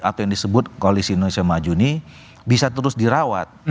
atau yang disebut koalisi indonesia maju ini bisa terus dirawat